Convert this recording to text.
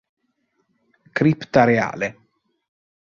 Cripta Reale